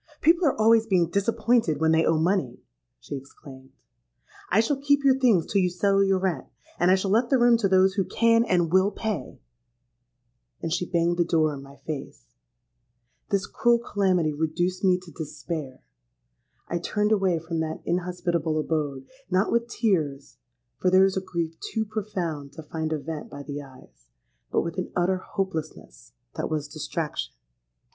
'—'People are always being disappointed when they owe money,' she exclaimed. 'I shall keep your things till you settle your rent; and I shall let the room to those who can and will pay.' And she banged the door in my face. This cruel calamity reduced me to despair. I turned away from that inhospitable abode,—not with tears, for there is a grief too profound to find a vent by the eyes—but with an utter hopelessness that was distraction!